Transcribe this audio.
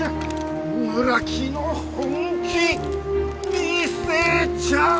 村木の本気見せちゃおう！